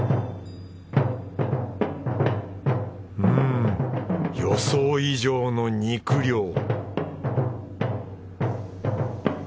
うん予想以上の肉量！